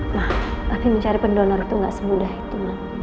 nah tapi mencari pendonor itu gak semudah itu